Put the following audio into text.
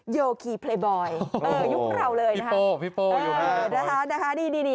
โยคีเพลย์บอยเออยุคเหล่าเลยนะคะพี่โป้พี่โป้อยู่แฮนด์นะคะนี่นี่นี่